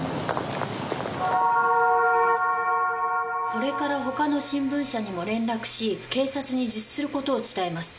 「これから他の新聞社にも連絡し警察に自首することを伝えます。